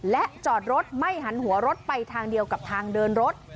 และจอดรถไม่หันหัวรถไปทางเดียวกับทางเดินรถ